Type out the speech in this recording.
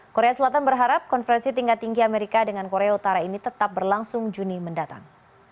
korea selatan berharap konferensi tingkat tinggi amerika dengan korea utara ini tetap berlangsung juni mendatang